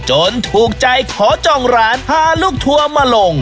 ถูกใจขอจองร้านพาลูกทัวร์มาลง